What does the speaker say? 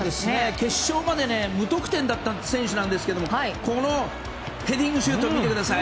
決勝まで無得点だった選手なんですけれどもこのヘディングシュート見てください。